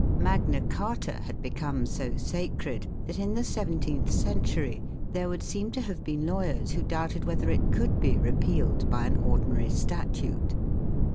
Magna Carta had become so sacred that in the seventeenth century there would seem to have been lawyers who doubted whether it could be re pealed by an ordinary statute.